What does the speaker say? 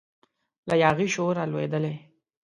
له یاغي شوره لویدلی